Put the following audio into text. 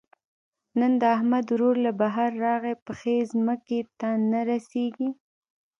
نن د احمد ورور له بهر راغی؛ پښې ځمکې ته نه رسېږي.